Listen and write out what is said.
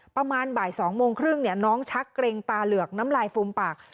ประมาณบ่าย๒โมงครึ่งน้องชักเกร็งตาเหลือกน้ำลายฟูมปาก